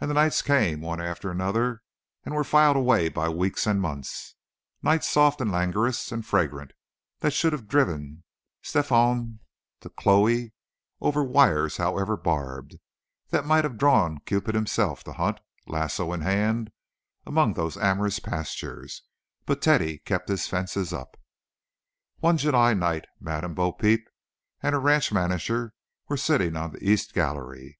And the nights came, one after another, and were filed away by weeks and months—nights soft and languorous and fragrant, that should have driven Strephon to Chloe over wires however barbed, that might have drawn Cupid himself to hunt, lasso in hand, among those amorous pastures—but Teddy kept his fences up. One July night Madame Bo Peep and her ranch manager were sitting on the east gallery.